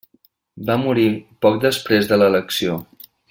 Va morir poc després de l'elecció.